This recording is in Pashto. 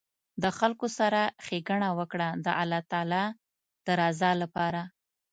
د خلکو سره ښیګڼه وکړه د الله تعالي د رضا لپاره